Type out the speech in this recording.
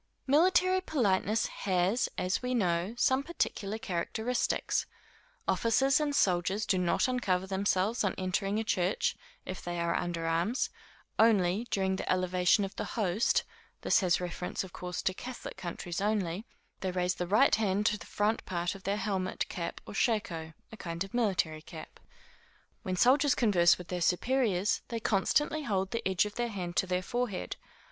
_ Military politeness has, as we know, some particular characteristics. Officers and soldiers do not uncover themselves on entering a church, if they are under arms; only, during the elevation of the host, they raise the right hand to the front part of their helmet, cap, or shako. When soldiers converse with their superiors, they constantly hold the edge of the hand to their forehead.